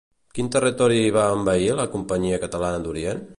Quin territori va envair la Companyia catalana d'Orient?